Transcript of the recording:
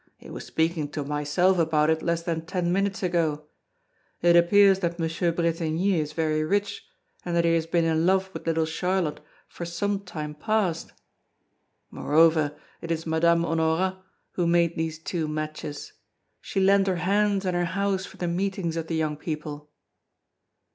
He was speaking to myself about it less than ten minutes ago. It appears that M. Bretigny is very rich, and that he has been in love with little Charlotte for some time past. Moreover, it is Madame Honorat who made these two matches. She lent her hands and her house for the meetings of the young people."